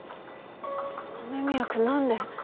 雨宮くんなんで？